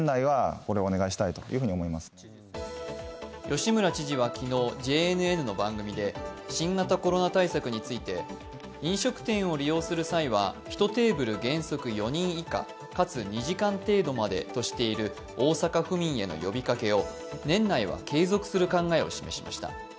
吉村知事は昨日、ＪＮＮの番組で新型コロナ対策について、飲食店を利用する際は１テーブル原則４人以下、かつ２時間程度までとしている大阪府民への呼びかけを年内は継続する考えを示しました。